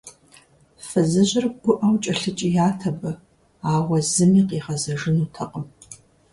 Фызыжьыр гуӀэу кӀэлъыкӀият абы, ауэ зыми къигъэзэжынутэкъым.